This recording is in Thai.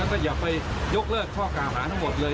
แล้วก็อย่าไปยกเลิกข้อกล่าวหาทั้งหมดเลย